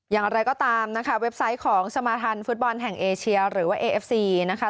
อย่างไรก็ตามนะคะเว็บไซต์ของสมาธันฟู้ดบอลแห่งเอเชียหรือว่า